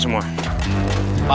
udah pak gausah pak